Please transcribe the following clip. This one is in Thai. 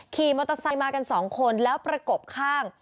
ขี่มอเตอร์ไซค์มากันสองคนแล้วประกบข้าง